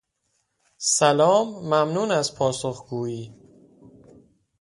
سلام ممنون از پاسخگویی